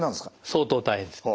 相当大変です。